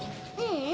ううん。